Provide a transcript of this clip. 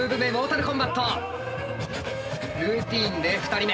ルーティーンで２人目。